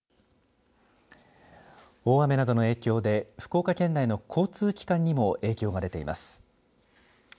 大雨などの影響で福岡県内の交通機関にも影響が出ています。